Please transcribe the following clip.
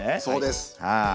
そうです。